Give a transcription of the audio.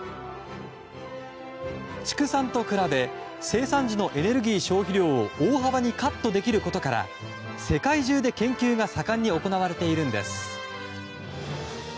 畜産と比べ生産時のエネルギー消費量を大幅にカットできることから世界中で研究が盛んに行われているんです。